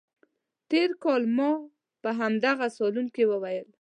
تېر کال ما په همدغه صالون کې وویل.